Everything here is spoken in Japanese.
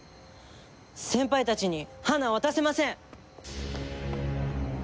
先輩たちに花は渡せません！